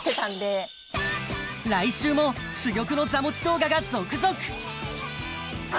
来週も珠玉の座持ち動画が続々！